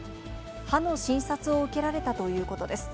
歯の診察を受けられたということです。